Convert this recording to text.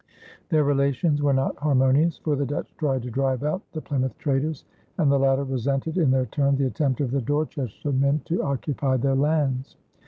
Their relations were not harmonious, for the Dutch tried to drive out the Plymouth traders, and the latter resented in their turn the attempt of the Dorchester men to occupy their lands.